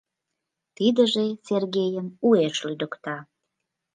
Тидыже Сергейым уэш лӱдыкта.